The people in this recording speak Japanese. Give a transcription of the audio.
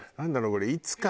これいつか。